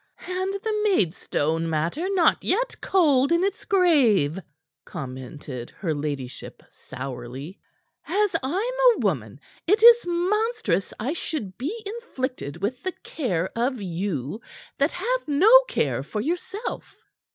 "And the Maidstone matter not yet cold in its grave!" commented her ladyship sourly. "As I'm a woman, it is monstrous I should be inflicted with the care of you that have no care for yourself."